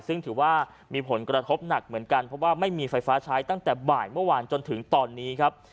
ซึ่งถือว่ามีผลกระทบหนักเหมือนกันเพราะว่าไม่มีไฟฟ้าใช้ตั้งแต่บ่ายเมื่อวานจนถึงตอนนี้ครับ